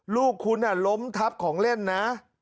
ลูกคุณล้มทับของเล่นนะ